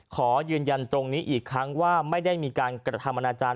ขอยืนยันตรงนี้อีกครั้งว่าไม่ได้มีการกระทำอนาจารย